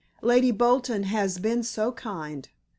Lady Bolton has been so kind.